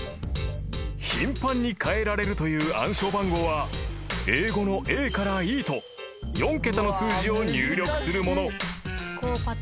［頻繁に変えられるという暗証番号は英語のＡＥと４桁の数字を入力するもの］